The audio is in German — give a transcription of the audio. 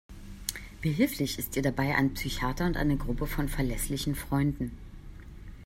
Behilflich ist ihr dabei ein Psychiater und eine Gruppe von verlässlichen Freunden.